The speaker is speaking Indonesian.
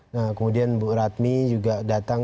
nah kemudian bu ratmi juga datang